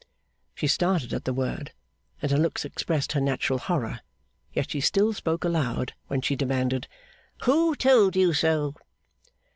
She started at the word, and her looks expressed her natural horror. Yet she still spoke aloud, when she demanded: 'Who told you so?